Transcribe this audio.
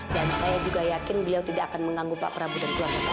dan saya juga yakin beliau tidak akan mengganggu pak prabu dan keluarga pak prabu